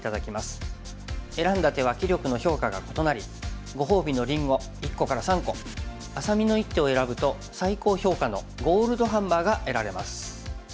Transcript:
選んだ手は棋力の評価が異なりご褒美のりんご１個から３個愛咲美の一手を選ぶと最高評価のゴールドハンマーが得られます。